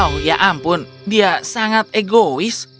oh ya ampun dia sangat egois